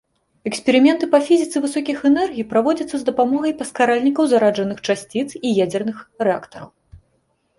Эксперыменты па фізіцы высокіх энергій праводзяцца з дапамогай паскаральнікаў зараджаных часціц і ядзерных рэактараў.